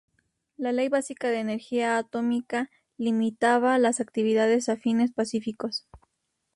La Ley Básica de Energía Atómica limitaba las actividades a fines pacíficos.